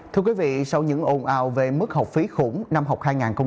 thưa quý vị sau những ồn ào về mức học phí khủng năm học hai nghìn hai mươi hai nghìn hai mươi